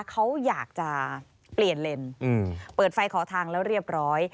เขาอยากจะเปลี่ยนเลนเปิดไฟขอทางแล้วเรียบร้อย